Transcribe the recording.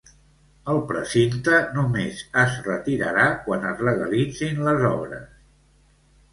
El precinte només es retirarà quan es legalitzin les obres.